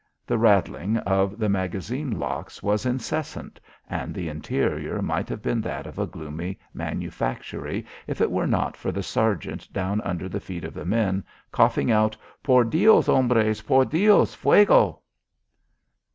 The rattling of the magazine locks was incessant, and the interior might have been that of a gloomy manufactory if it were not for the sergeant down under the feet of the men, coughing out: "Por Dios, hombres! Por Dios! Fuego!"